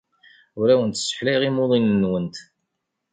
Ur awent-sseḥlayeɣ imuḍinen-nwent.